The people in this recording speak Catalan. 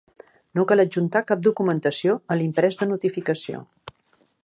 No cal adjuntar cap documentació a l'imprès de notificació.